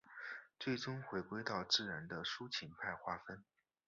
最终回归到自然的抒情派画风。